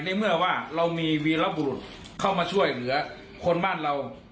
ในเมื่อว่าเรามีวีรบุรุษเข้ามาช่วยเหลือคนบ้านเรา